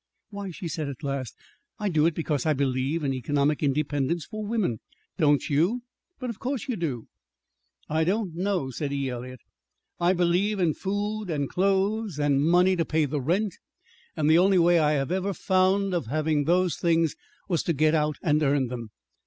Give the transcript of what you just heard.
"Why," she said at last, "I do it because I believe in economic independence for women. Don't you? But of course you do." "I don't know," said E. Eliot. "I believe in food and clothes, and money to pay the rent, and the only way I have ever found of having those things was to get out and earn them.